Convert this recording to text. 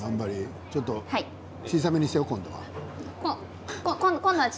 ちょっと小さめにしてよ今度は。